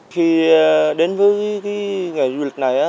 khi đến với nghề du lịch này